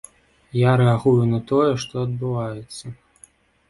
Я рэагую на тое, што адбываецца.